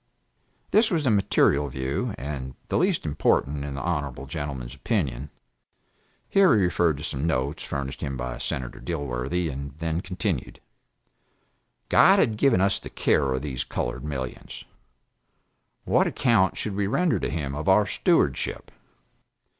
This was the material view, and the least important in the honorable gentleman's opinion. [Here he referred to some notes furnished him by Senator Dilworthy, and then continued.] God had given us the care of these colored millions. What account should we render to Him of our stewardship?